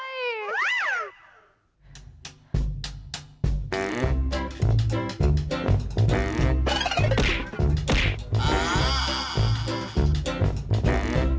อ้าาาาาาาา